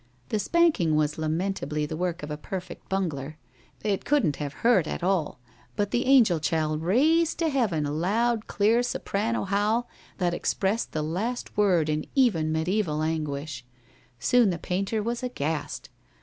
The spanking was lamentably the work of a perfect bungler. It couldn't have hurt at all; but the angel child raised to heaven a loud, clear soprano howl that expressed the last word in even mediæval anguish. Soon the painter was aghast.